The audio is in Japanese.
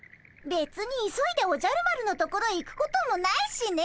べつに急いでおじゃる丸のところへ行くこともないしね。